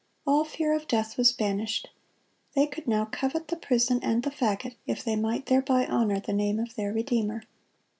All fear of death was banished. They could now covet the prison and the fagot if they might thereby honor the name of their Redeemer.